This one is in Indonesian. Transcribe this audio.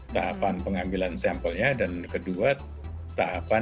tahapan pengambilan sampelnya dan kedua tahapan